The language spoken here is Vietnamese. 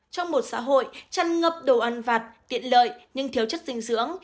trong một xã hội chăn ngập đồ ăn vặt tiện lợi nhưng thiếu chất dinh dưỡng